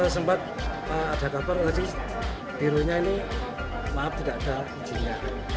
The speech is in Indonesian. sempat ada kabar tapi biro ini maaf tidak ada ujungnya